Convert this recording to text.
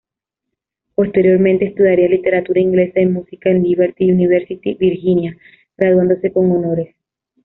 Posteriormente estudiaría literatura inglesa y música en Liberty University, Virginia graduándose con honores.